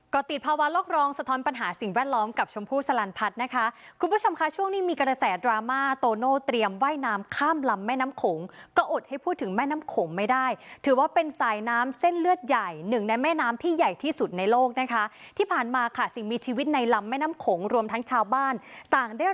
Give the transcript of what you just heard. ก็ติดภาวะโลกรองสะท้อนปัญหาสิ่งแวดล้อมกับชมพู่สลันพัฒน์นะคะคุณผู้ชมค่ะช่วงนี้มีกระแสดราม่าโตโน่เตรียมว่ายน้ำข้ามลำแม่น้ำโขงก็อดให้พูดถึงแม่น้ำโขงไม่ได้ถือว่าเป็นสายน้ำเส้นเลือดใหญ่หนึ่งในแม่น้ำที่ใหญ่ที่สุดในโลกนะคะที่ผ่านมาค่ะสิ่งมีชีวิตในลำแม่น้ำโขงรวมทั้งชาวบ้านต่างด